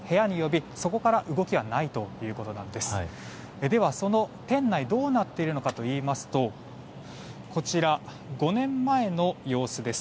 では、その店内がどうなっているかといいますとこちらは５年前の様子です。